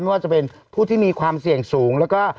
ว่าจะเป็นผู้ที่มีความเสี่ยงสูงแล้วก็